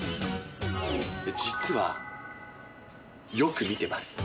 実は、よく見てます。